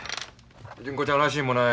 純子ちゃんらしもない。